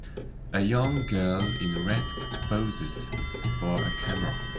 A young girl in red poses for a camera